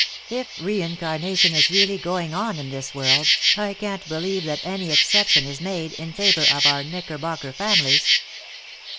If reincarnation is really going on in this world, I can't believe that any exception is made in favor of our Knickerbocker families."